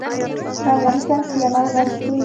په افغانستان کې سلیمان غر شتون لري.